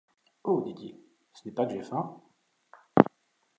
Oh ! dit-il, ce n’est pas que j’aie faim…